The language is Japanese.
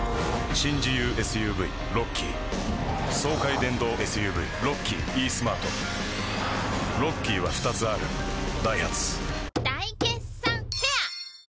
新自由ＳＵＶロッキー爽快電動ＳＵＶロッキーイースマートロッキーは２つあるダイハツ大決算フェア